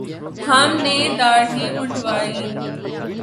ہم نے دھاڑی منڈوادی